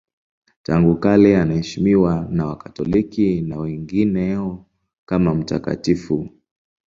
Tangu kale anaheshimiwa na Wakatoliki na wengineo kama mtakatifu.